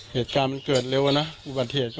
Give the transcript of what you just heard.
เหตุการณ์มันเกิดเร็วอะนะอุบัติเหตุ